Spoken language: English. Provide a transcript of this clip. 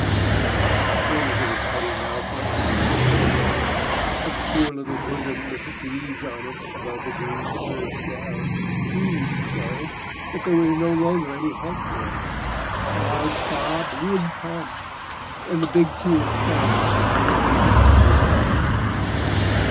The corners of the pouting mouth went down piteously, and the poor little bosom with the beads on it above the green serge gown heaved so, that there was no longer any help for it: a loud sob would come, and the big tears fell as if they were making up for lost time.